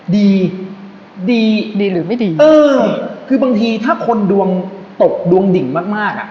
ดีดีหรือไม่ดีเออคือบางทีถ้าคนดวงตกดวงดิ่งมากมากอ่ะ